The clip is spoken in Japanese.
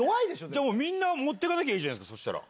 じゃあもう、みんな持っていかなきゃいいじゃないですか、そしたら。